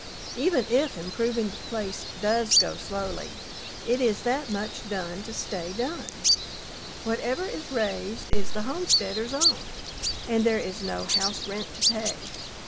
Even if improving the place does go slowly, it is that much done to stay done. Whatever is raised is the homesteader's own, and there is no house rent to pay.